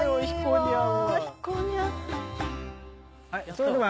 それでは。